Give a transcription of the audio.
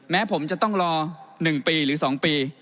แม้ผมจะต้องรอ๑ปีหรือ๒ปี